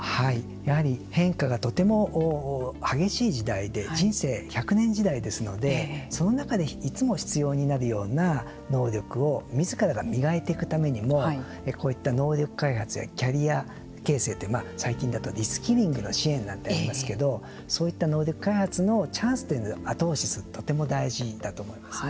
やはり変化がとても激しい時代で人生百年時代ですので、その中でいつも必要になるような能力をみずからが磨いていくためにもこういった能力開発やキャリア形成って最近だとリスキリングの支援だったり言いますけどそういった能力開発のチャンスというのを後押しするってとても大事だと思いますね。